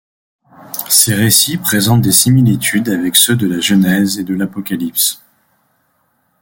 Ces récits présentent des similitudes avec ceux de la Genèse et de l'Apocalypse.